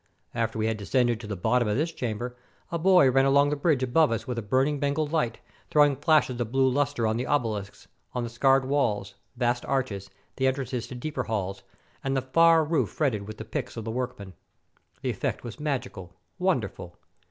After we had descended to the bottom of this chamber, a boy ran along the bridge above with a burning Bengal light, throwing flashes of blue luster on the obehsks, on the scarred waUs, vast arches, the entrances to deeper halls, and the far roof fretted with the picks of the workmen. The effect was magical, wonderful.